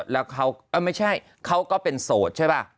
แล้วเขาก็ไม่ใช่เขาก็เป็นโสดใช่ป่ะ